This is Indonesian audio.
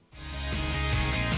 doa kedua orang tua pun